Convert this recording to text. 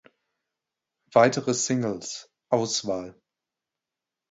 Weitere Singles (Auswahl)